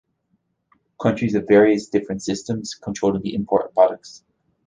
Countries have various different systems controlling the import of products.